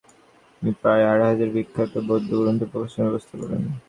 তিনি প্রায় আড়াই হাজার বিখ্যাত বৌদ্ধ গ্রন্থ প্রকাশনার ব্যবস্থা করেন।